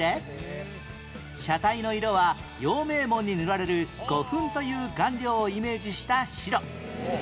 車体の色は陽明門に塗られる胡粉という顔料をイメージした白